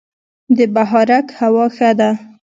د بهارک هوا ښه ده